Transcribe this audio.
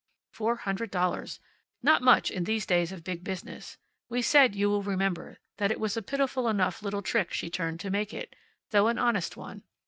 Four hundred dollars. Not much in these days of big business. We said, you will remember, that it was a pitiful enough little trick she turned to make it, though an honest one.